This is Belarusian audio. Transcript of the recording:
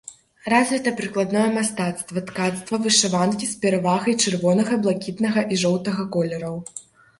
Развіта прыкладное мастацтва, ткацтва, вышыванкі з перавагай чырвонага, блакітнага і жоўтага колераў.